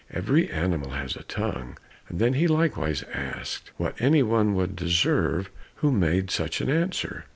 "Every animal has a tongue," and then he likewise asked what any one would deserve who made such an answer?